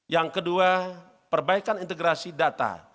yang kedua perbaikan integrasi data